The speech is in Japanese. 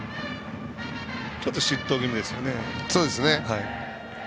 ちょっと失投気味でしたね。